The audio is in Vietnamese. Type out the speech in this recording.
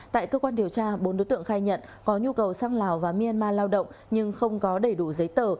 tại cơ quan điều tra bốn đối tượng khai nhận có nhu cầu sang lào và myanmar lao động nhưng không có đầy đủ giấy tờ